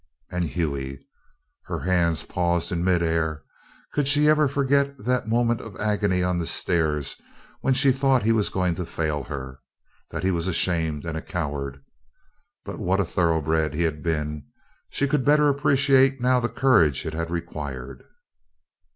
And Hughie! Her hands paused in mid air. Could she ever forget that moment of agony on the stairs when she thought he was going to fail her that he was ashamed, and a coward! But what a thoroughbred he had been! She could better appreciate now the courage it had required.